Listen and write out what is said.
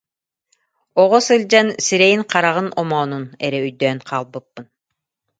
Оҕо сылдьан сирэйин-хараҕын омоонун эрэ өйдөөн хаалбыппын